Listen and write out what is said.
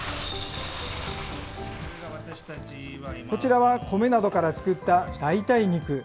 こちらは、コメなどから作った代替肉。